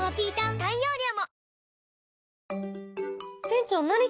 大容量も！